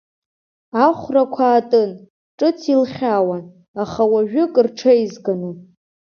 Ахәрақәа аатын, ҿыц илхьаауан, аха уажәык рҽеизганы.